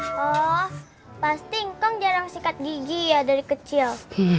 oh pasti engkam jarang sikat gigi ya dari kecil